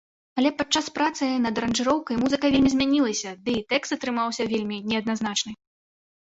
Але падчас працы над аранжыроўкай музыка вельмі змянілася, ды і тэкст атрымаўся вельмі неадназначны.